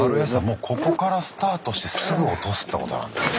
もうここからスタートしてすぐ落とすってことなんだ。